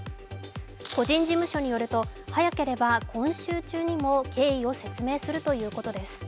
個人事務所によると、早ければ今週中にも経緯を説明するということです。